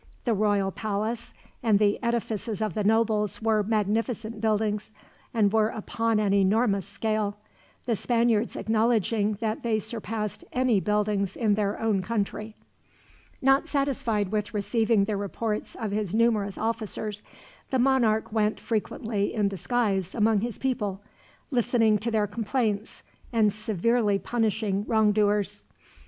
The royal palace and the edifices of the nobles were magnificent buildings, and were upon an enormous scale, the Spaniards acknowledging that they surpassed any buildings in their own country. Not satisfied with receiving the reports of his numerous officers, the monarch went frequently in disguise among his people, listening to their complaints, and severely punishing wrongdoers.